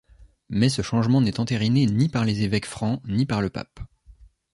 Mais ce changement n'est entérinée ni par les évêques francs ni par le pape.